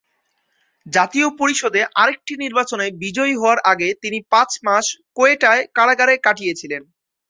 জাতীয় পরিষদে আরেকটি নির্বাচনে বিজয়ী হওয়ার আগে তিনি পাঁচ মাস কোয়েটায় কারাগারে কাটিয়েছিলেন।